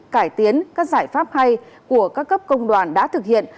cải tiến các giải pháp hay của các cấp công đoàn đã thực hiện